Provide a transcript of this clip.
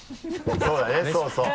そうだねそうそう。